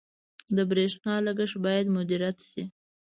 • د برېښنا لګښت باید مدیریت شي.